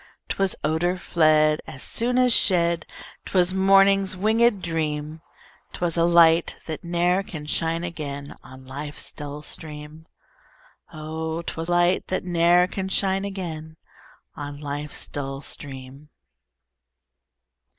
'Twas odor fled As soon as shed; 'Twas morning's winged dream; 'Twas a light, that ne'er can shine again On life's dull stream: Oh! 'twas light that ne'er can shine again On life's dull stream.